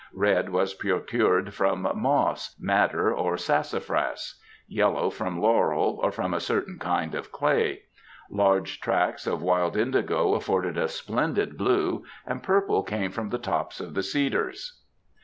Red was pro cured from moss, madder, or sassafras ; yellow from laurel, or from a certain kind of clay. Large tracts of wild indigo afforded a splendid blue, and purple came from the tops of the cedars.